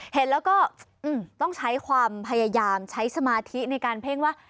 เห็นแล้วก็ต้องใช้ความพยายามใช้สมาธิในการเพ่งว่า